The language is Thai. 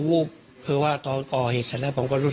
ก็เลยขับรถไปมอบตัว